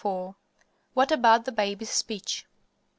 IV WHAT ABOUT THE BABY'S SPEECH?